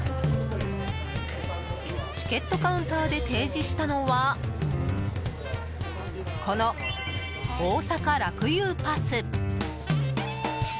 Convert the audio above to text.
チケットカウンターで提示したのは、この大阪楽遊パス。